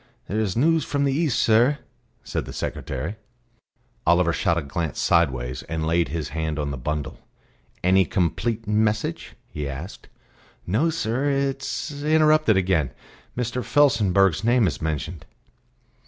"There is news from the East, sir," said the secretary. Oliver shot a glance sideways, and laid his hand on the bundle. "Any complete message?" he asked. "No, sir; it is interrupted again. Mr. Felsenburgh's name is mentioned."